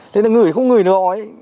thế nên người không ngửi nữa